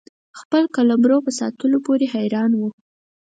خپل قلمرو په ساتلو پوري حیران وو.